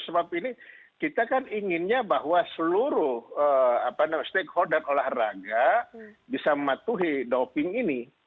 sebab ini kita kan inginnya bahwa seluruh stakeholder olahraga bisa mematuhi doping ini